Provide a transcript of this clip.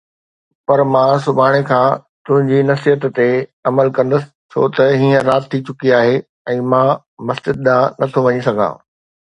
پر مان سڀاڻي کان تنهنجي نصيحت تي عمل ڪندس، ڇو ته هينئر رات ٿي چڪي آهي ۽ مان مسجد ڏانهن نه ٿو وڃي سگهان